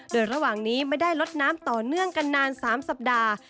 โดยระหว่างนี้ไม่ได้ลดน้ำต่อเนื่องกันนาน๓สัปดาห์